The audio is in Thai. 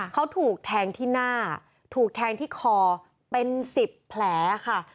เขาถูกแทงที่หน้าถูกแทงที่คอเป็น๑๐แผลค่ะ